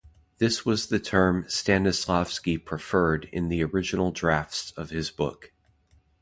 This was the term Stanislavsky preferred in the original drafts of his books.